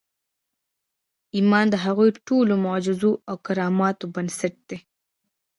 ایمان د هغو ټولو معجزو او کراماتو بنسټ دی